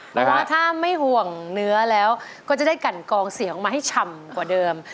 เพราะว่าถ้าไม่ห่วงเนื้อแล้วก็จะได้กันกองเสียงมาให้ฉ่ำกว่าเดิม